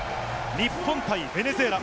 日本対ベネズエラ。